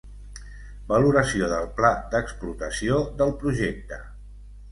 Valoració del pla d'explotació del projecte.